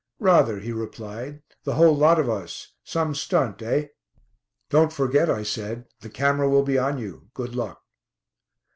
"Rather," he replied, "the whole lot of us. Some stunt, eh!" "Don't forget," I said, "the camera will be on you; good luck!"